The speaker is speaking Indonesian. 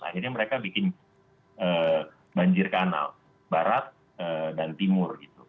akhirnya mereka bikin banjir kanal barat dan timur gitu